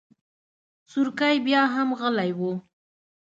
سورکی بياهم غلی و.